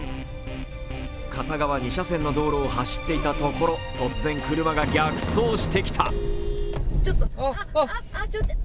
片側２車線の道路を走っていたところ突然、車が逆走してきた。